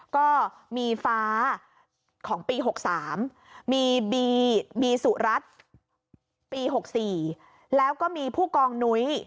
ก็มีฟ้าของปี๖๓มีบีสุรัตน์ปี๖๔แล้วก็มีผู้กองนุ้ย